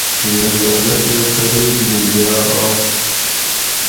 امیرزادہ تے فرید مُوں جاۤ آش